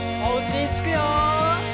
おうちにつくよ！